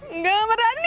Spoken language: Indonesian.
enggak gak berani